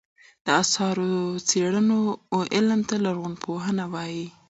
د اثارو څېړلو علم ته لرغونپوهنه وایې.